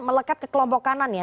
melekat ke kelompok kanan ya